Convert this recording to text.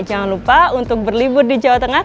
jangan lupa untuk berlibur di jawa tengah